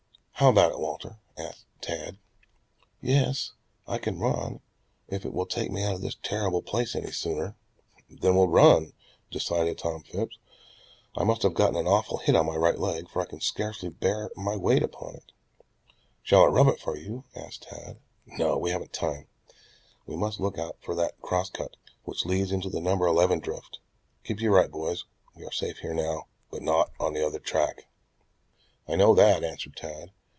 "How about it, Walter?" called Tad. "Yes, I can run if it will take me out of this terrible place any sooner." "Then we'll run," decided Tom Phipps. "I must have gotten an awful hit on my right leg, for I can scarcely bear my weight upon it." "Shall I rub it for you?" asked Tad. "No, we haven't time. We must look for that cross cut, which leads into the number eleven drift. Keep to your right, boys. We are safe here now, but not on the other track." "I know that," answered Tad.